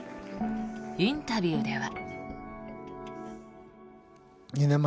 インタビューでは。